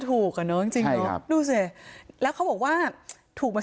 ถูกอ่ะเนอะจริงจริงเนอะใช่ครับดูสิแล้วเขาบอกว่าถูกมา